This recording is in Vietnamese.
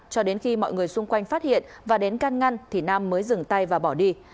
cho đến khi mọi người xung quanh phát hiện và đến can ngăn thì nam mới dừng tay và bỏ đi